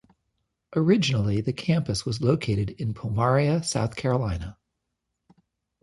Originally, the campus was located in Pomaria, South Carolina.